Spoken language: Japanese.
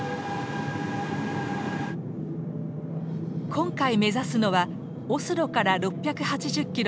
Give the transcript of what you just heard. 今回目指すのはオスロから６８０キロ